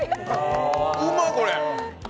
うまっ、これ！